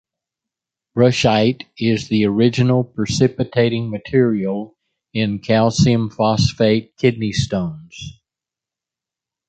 Brushite is the original precipitating material in calcium phosphate kidney stones.